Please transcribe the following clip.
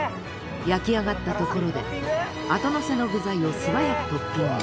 焼き上がったところで後のせの具材を素早くトッピング。